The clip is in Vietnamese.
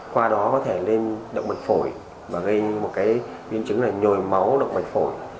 qua đó có thể lên động mật phổi và gây một biến chứng là nhồi máu động mật phổi